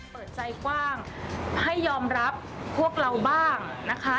เปิดใจกว้างให้ยอมรับพวกเราบ้างนะคะ